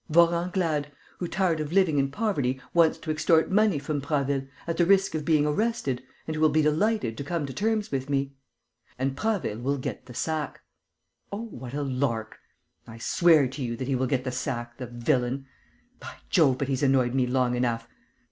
Vorenglade, who, tired of living in poverty, wants to extort money from Prasville, at the risk of being arrested, and who will be delighted to come to terms with me. And Prasville will get the sack. Oh, what a lark! I swear to you that he will get the sack, the villain! By Jove, but he's annoyed me long enough!